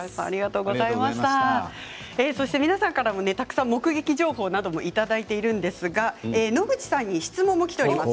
皆さんからもたくさん目撃情報などもいただいているんですが野口さんに質問もきています。